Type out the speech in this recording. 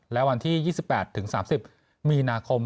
และวันที่๒๘๓๐มีนาคม